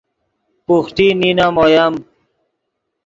بوخٹی نینم اویم